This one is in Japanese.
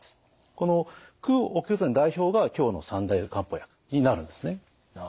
この駆血剤の代表が今日の三大漢方薬になるんですね。